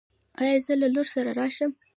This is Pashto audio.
ایا زه له لور سره راشم؟